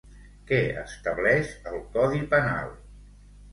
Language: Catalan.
Què estableix el Codi Penal?